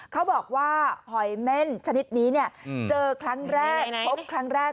เขาบอกว่าหอยเม่นชนิดนี้เจอครั้งแรกพบครั้งแรก